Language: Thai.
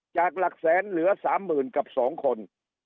จากหลักแสนเหลือสามหมื่นกับสองคน